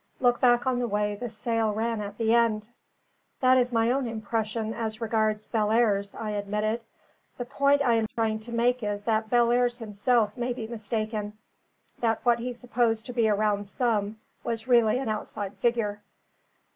"Look back on the way the sale ran at the end." "That is my own impression as regards Bellairs," I admitted. "The point I am trying to make is that Bellairs himself may be mistaken; that what he supposed to be a round sum was really an outside figure."